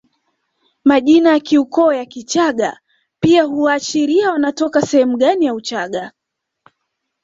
Majina ya kiukoo ya Kichagga pia huashiria wanatoka sehemu gani ya Uchaga